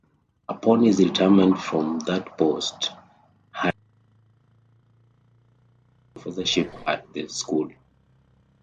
Upon his retirement from that post, Harding accepted a University Professorship at the School.